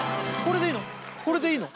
これでいいの？